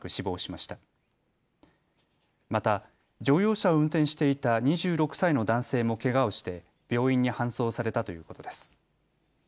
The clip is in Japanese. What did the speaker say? また乗用車を運転していた２６歳の男性もけがをして病院に搬送されたということです。